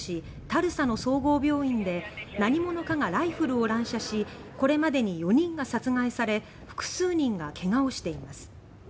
タルサの総合病院で何者かがライフルを乱射しこれまでに４人が殺害され複数人が怪我をしています。